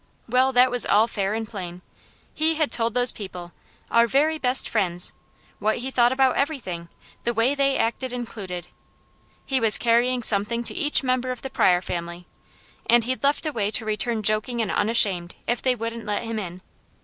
Well, that was all fair and plain. He had told those people, our very best friends, what he thought about everything, the way they acted included. He was carrying something to each member of the Pryor family, and he'd left a way to return joking and unashamed, if they wouldn't let him in.